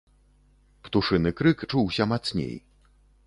Птушыны крык чуўся мацней.